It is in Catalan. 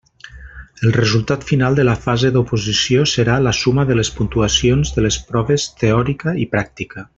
El resultat final de la fase d'oposició serà la suma de les puntuacions de les proves teòrica i pràctica.